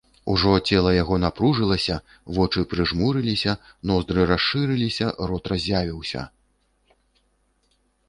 Ужо цела яго напружылася, вочы прыжмурыліся, ноздры расшырыліся, рот разявіўся.